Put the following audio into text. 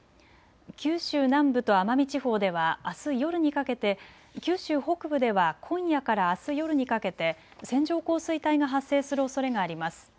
九州南部と奄美地方ではあす夜にかけて、九州北部では今夜からあす夜にかけて線状降水帯が発生するおそれがあります。